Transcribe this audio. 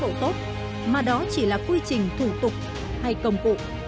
các cán bộ tốt mà đó chỉ là quy trình thủ tục hay công cụ